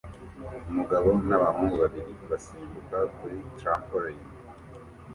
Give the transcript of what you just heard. Umugabo nabahungu babiri basimbuka kuri trampoline